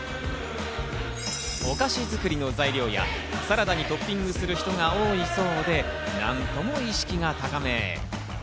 お菓子作りの材料やサラダにトッピングする人が多いそうで、なんとも意識が高め。